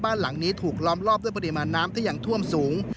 บ้านหลังนี้ถูกล้อมรอบด้วยปริมาณน้ำที่ยังท่วมสูง